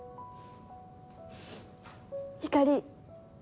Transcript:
ひかり